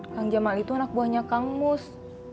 kang jamal itu anak buahnya kang mus